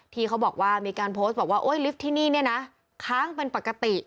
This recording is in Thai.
ที่เขาบอกว่ามีการโพสต์บอกว่าโอ๊ยลิฟท์ที่นี่เนี่ยนะค้างเป็นปกติ